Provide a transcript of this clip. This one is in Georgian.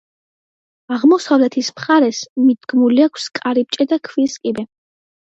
აღმოსავლეთის მხარეს მიდგმული აქვს კარიბჭე და ქვის კიბე.